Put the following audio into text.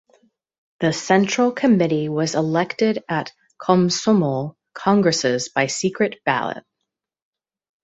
The Central Committee was elected at Komsomol congresses by secret ballot.